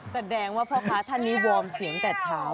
แสดงว่าพ่อค้าท่านนี้วอร์มเสียงแต่เช้า